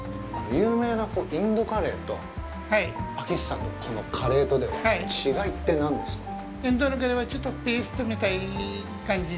有名なインドカレーと、パキスタンのこのカレーとでは、違いって何ですか？